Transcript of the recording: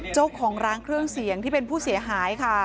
เจ้าของร้านเครื่องเสียงที่เป็นผู้เสียหายค่ะ